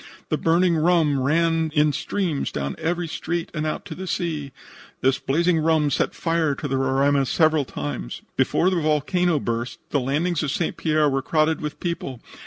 The burning rum ran in streams down every street and out to the sea. This blazing rum set fire to the Roraima several times. Before the volcano burst the landings of St. Pierre were crowded with people.